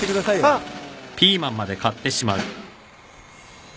あっ！